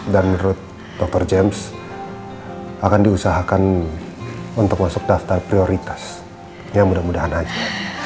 dan menurut dokter james akan diusahakan untuk masuk daftar prioritas ya mudah mudahan aja